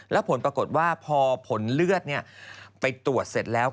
แล้วผลปรากฏว่าพอผลเลือดไปตรวจเสร็จแล้ว